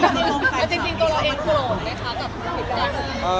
จริงตัวเราอินโกรธเหรอคะ